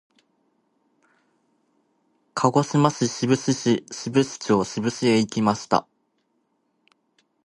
鹿児島県志布志市志布志町志布志へ行きました。